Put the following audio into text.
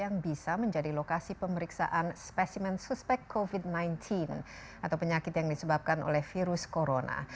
yang bisa menjadi lokasi pemeriksaan spesimen suspek covid sembilan belas atau penyakit yang disebabkan oleh virus corona